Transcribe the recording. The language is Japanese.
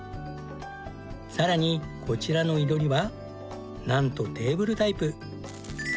さらにこちらの囲炉裏はなんとテーブルタイプ。